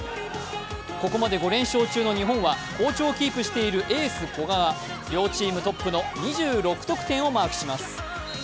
ここまで５連勝中に日本は好調をキープしているエース・古賀、両チームトップの２６得点をマークします。